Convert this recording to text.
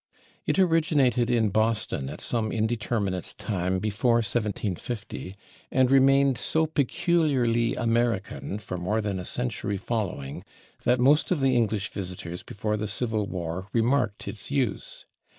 It originated in Boston at some indeterminate time before 1750, and remained so peculiarly American for more than a century following that most of the English visitors before the Civil War remarked its use.